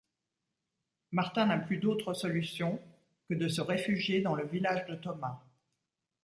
Martin n'a plus d'autre solution que de se réfugier dans le village de Thomas.